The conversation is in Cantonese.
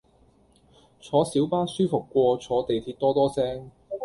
坐小巴舒服過坐地鐵多多聲